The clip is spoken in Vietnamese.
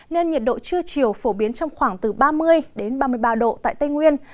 nên nhiệt độ chưa chiều phổ biến trong khoảng từ ba mươi ba mươi ba độ tại tây nguyên